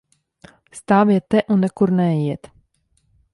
Stāviet te un nekur neejiet!